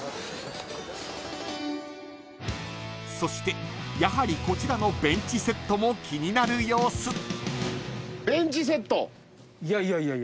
［そしてやはりこちらのベンチセットも気になる様子］